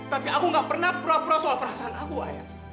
tapi aku gak pernah pura pura soal perasaan aku ayah